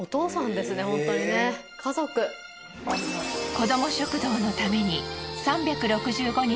子ども食堂のために３６５日